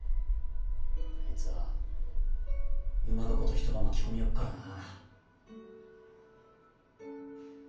あいつはうまかこと人ば巻き込みよっからな。